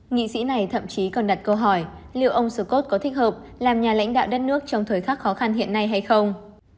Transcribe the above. nghị sĩ này thậm chí còn đặt câu hỏi liệu ông scott có thích hợp làm nhà lãnh đạo đất nước trong thời khắc khó khăn hiện nay hay không